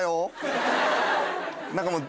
何かもう。